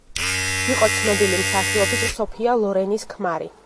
იყო ცნობილი მსახიობის, სოფია ლორენის ქმარი.